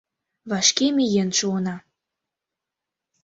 — Вашке миен шуына.